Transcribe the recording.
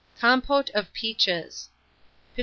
COMPOTE OF PEACHES. 1572.